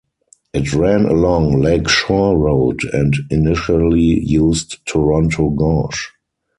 It ran along Lake Shore Road and initially used Toronto gauge.